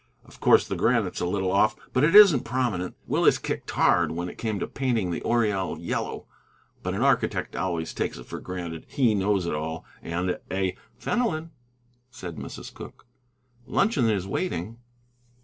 Of course the granite's a little off, but it isn't prominent. Willis kicked hard when it came to painting the oriel yellow, but an architect always takes it for granted he knows it all, and a " "Fenelon," said Mrs. Cooke, "luncheon is waiting."